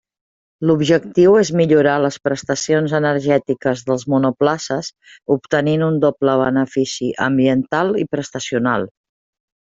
L'objectiu és millorar les prestacions energètiques dels monoplaces, obtenint un doble benefici, ambiental i prestacional.